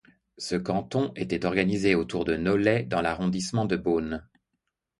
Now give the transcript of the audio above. Ce canton était organisé autour de Nolay dans l'arrondissement de Beaune.